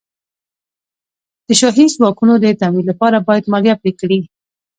د شاهي ځواکونو د تمویل لپاره باید مالیه پرې کړي.